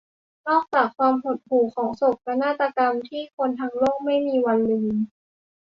นอกจากความหดหู่ของโศกนาฏกรรมที่คนทั้งโลกไม่มีวันลืม